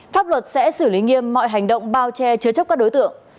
pháp luật sẽ xử lý nghiêm mọi hành động bao che chứa chấp các đối tượng